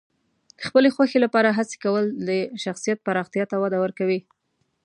د خپلې خوښې لپاره هڅې کول د شخصیت پراختیا ته وده ورکوي.